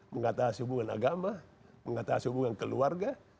mengatasi hubungan agama mengatasi hubungan keluarga